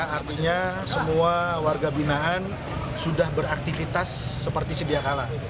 artinya semua warga binaan sudah beraktivitas seperti sedia kala